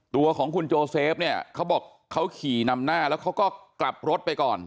ตัวของคุณโจเซฟเนี่ยเขาบอกเขาขี่นำหน้าแล้วเขาก็กลับรถไปก่อน